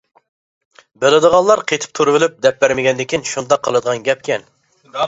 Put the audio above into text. بىلىدىغانلار قېتىپ تۇرۇۋېلىپ دەپ بەرمىگەندىكىن شۇنداق قىلىدىغان گەپكەن.